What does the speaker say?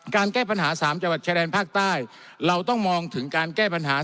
แก้ปัญหาสามจังหวัดชายแดนภาคใต้เราต้องมองถึงการแก้ปัญหา